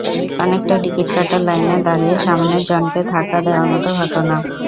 অনেকটা টিকিট কাটার লাইনে দাঁড়িয়ে সামনের জনকে ধাক্কা দেওয়ার মতো ঘটনা।